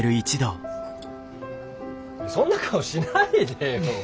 そんな顔しないでよ。